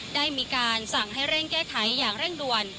ได้มีการสั่งให้เร่งแก้ไขอย่างเร่งด่วน